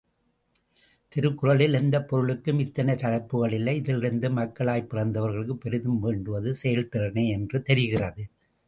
திருக்குறளில் எந்தப் பொருளுக்கும் இத்தனை தலைப்புக்களில்லை, இதிலிருந்து மக்களாய்ப் பிறந்தவர்களுக்குப் பெரிதும் வேண்டுவது செயல்திறனே என்று தெரிகிறது.